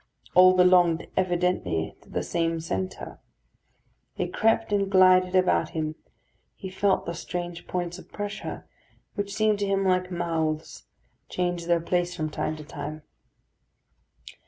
All belonged evidently to the same centre. They crept and glided about him; he felt the strange points of pressure, which seemed to him like mouths, change their places from time to time.